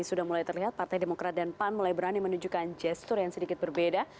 sudah mulai terlihat partai demokrat dan pan mulai berani menunjukkan gestur yang sedikit berbeda